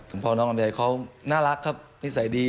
ผมคิดว่าพ่อน้องลำใยเขาน่ารักครับนิสัยดี